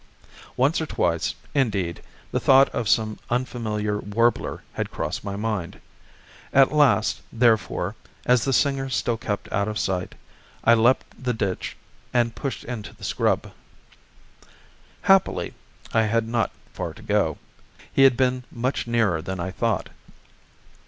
Once or twice, indeed, the thought of some unfamiliar warbler had crossed my mind. At last, therefore, as the singer still kept out of sight, I leaped the ditch and pushed into the scrub. Happily I had not far to go; he had been much nearer than I thought.